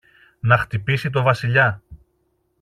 να χτυπήσει το Βασιλιά.